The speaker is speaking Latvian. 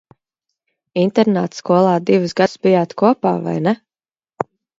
Internātskolā divus gadus bijāt kopā, vai ne?